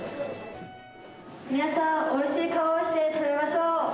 皆さんおいしい顔をして食べましょう。